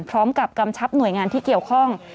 กำชับหน่วยงานที่เกี่ยวข้อง